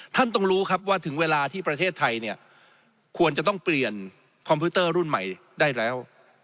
ท่านต้องรู้ครับว่าถึงเวลาที่ประเทศไทยเนี่ยควรจะต้องเปลี่ยนคอมพิวเตอร์รุ่นใหม่ได้แล้ว